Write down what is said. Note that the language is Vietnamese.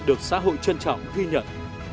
được xã hội trân trọng ghi nhận